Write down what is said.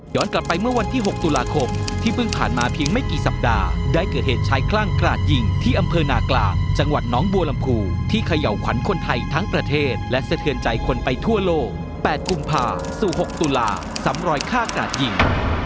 กลับไปเมื่อวันที่๖ตุลาคมที่เพิ่งผ่านมาเพียงไม่กี่สัปดาห์ได้เกิดเหตุชายคลั่งกราดยิงที่อำเภอนากลางจังหวัดน้องบัวลำพูที่เขย่าขวัญคนไทยทั้งประเทศและสะเทือนใจคนไปทั่วโลก๘กุมภาสู่๖ตุลาซ้ำรอยฆ่ากราดยิง